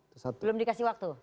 belum dikasih waktu